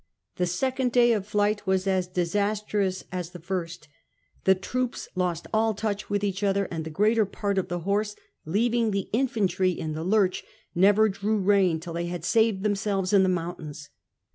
The second day of flight was as disastrous as the first , the troops lost all touch with each other, and the greater part of the horse, leaving the infantry in the lurch, never drew rein till they had saved themselves in the moun tains.